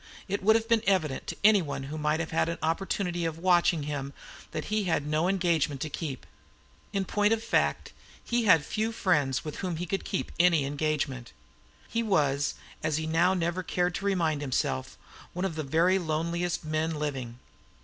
It would have been evident to anyone who might have had an opportunity of watching him that he had no engagement to keep. In point of fact, he had few friends with whom he could have kept any engagement. He was, as he now never cared to remind himself, one of the very loneliest men living.